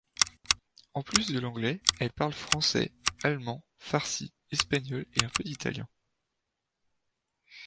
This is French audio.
En plus de l'anglais, elle parle français, allemand, farsi, espagnol et un peu d'italien.